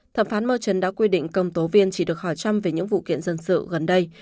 thẩm phán murchon đã quy định công tố viên chỉ được hỏi trăm về những vụ kiện dân sự gần đây